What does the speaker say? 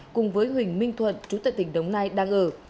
cùng với huỳnh minh thuận chú tại tỉnh đồng nai đang ở